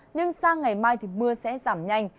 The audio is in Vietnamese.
nhưng sang ngày mai thì mưa sẽ giảm nhanh